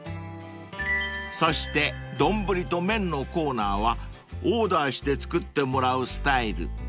［そして丼と麺のコーナーはオーダーして作ってもらうスタイル］